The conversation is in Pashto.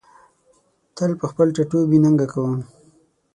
تل په خپل ټاټوبي ننګه کوم